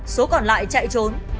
số còn lại chạy trốn